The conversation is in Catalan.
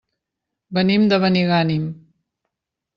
Venim de Benigànim.